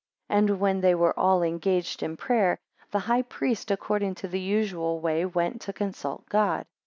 12 And when they were all engaged in prayer, the high priest according to the usual way, went to consult God.